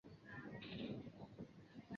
五年加号秦国贤德太夫人。